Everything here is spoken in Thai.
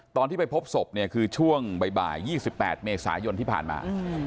ตอนที่ไปพบศพเนี่ยคือช่วงบ่าย๒๘เมษายนที่ผ่านมา